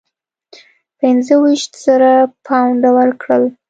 پنځه ویشت زره پونډه ورکړل.